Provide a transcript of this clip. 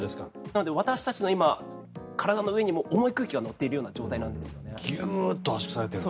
なので私たちの今、体の上にも重い空気が乗っているような状態なんですね。